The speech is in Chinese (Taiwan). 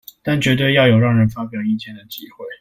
但絕對要有讓人發表意見的機會